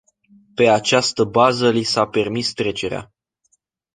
Pe această bază li s-a permis trecerea.